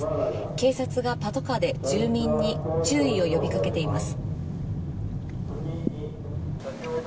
警察がパトカーで住民に注意を呼びかけています。